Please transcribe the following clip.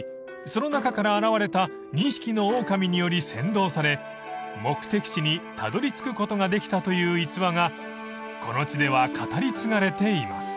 その中から現れた２匹のオオカミにより先導され目的地にたどりつくことができたという逸話がこの地では語り継がれています］